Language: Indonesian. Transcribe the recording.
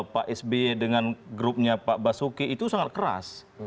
pak sby dengan grupnya pak basuki itu sangat keras